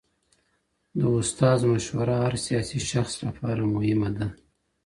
د استاد مشوره د هر سياسي شخص لپاره مهمه ده.